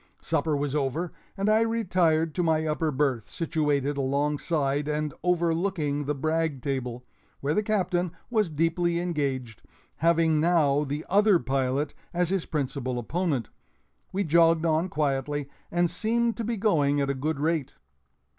Supper was over, and I retired to my upper berth, situated alongside and overlooking the brag table, where the Captain was deeply engaged, having now the other pilot as his principal opponent. We jogged on quietly and seemed to be going at a good rate.